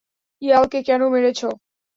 ইয়ালকে কেন মেরেছ?